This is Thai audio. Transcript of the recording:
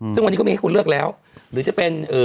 ซึ่งวันนี้ก็มีให้คุณเลือกแล้วหรือจะเป็น